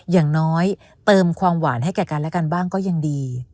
อย่างน้อยเติมความหวานให้แก่กันและกันบ้างก็ยังดี